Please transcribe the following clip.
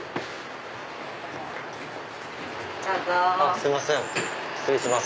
すいません失礼します。